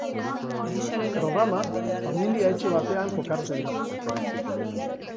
Programa, familia etxe batean kokatzen da.